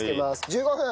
１５分。